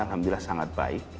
alhamdulillah sangat baik